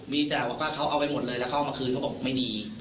มีแต่ว่าเขาเอาไปหมดเลยและเขาไม่ดี